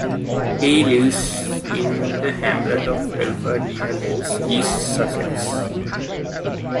He now lives in the hamlet of Iford near Lewes, East Sussex.